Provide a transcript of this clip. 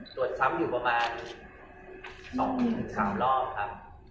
ตรวจซ้ำอยู่ประมาณ๒๓รอบครับ